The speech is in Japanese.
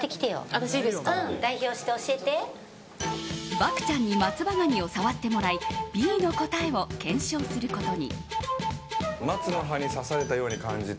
漠ちゃんに松葉ガニを触ってもらいＢの答えを検証することに。